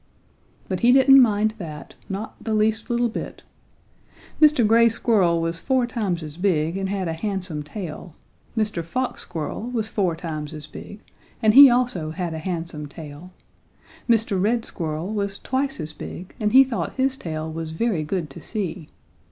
But he didn't mind that, not the least little bit. Mr. Gray Squirrel was four times as big and had a handsome tail, Mr. Fox Squirrel was four times as big and he also had a handsome tail, Mr. Red Squirrel was twice as big and he thought his tail was very good to see.